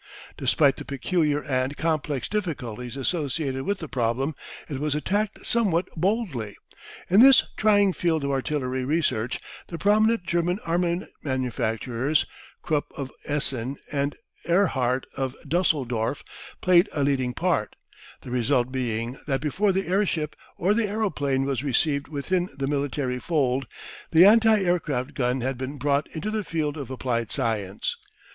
Despite the peculiar and complex difficulties associated with the problem it was attacked some what boldly. In this trying field of artillery research the prominent German armament manufacturers, Krupp of Essen and Ehrhardt of Dusseldorf, played a leading part, the result being that before the airship or the aeroplane was received within the military fold, the anti aircraft gun had been brought into the field of applied science.